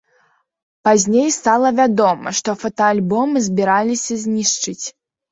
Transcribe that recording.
Пазней стала вядома, што фотаальбомы збіраліся знішчыць.